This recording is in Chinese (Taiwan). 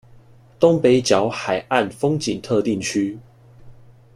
東北角海岸風景特定區